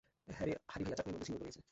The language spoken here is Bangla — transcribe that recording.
হারি ভাইয়া, চাটনির মধ্যে ঝিঙ্গুর পড়ে গেছে।